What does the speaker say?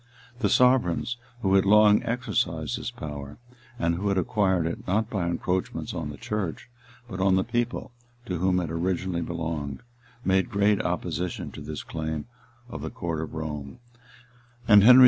[*] The sovereigns, who had long exercised this power, and who had acquired it, not by encroachments on the church, but on the people, to whom it originally belonged,[] made great opposition to this claim of the court of Rome; and Henry IV.